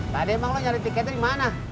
tadi emang lo nyari tiketnya di mana